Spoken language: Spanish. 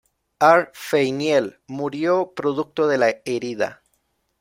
Ar-Feiniel murió producto de la herida.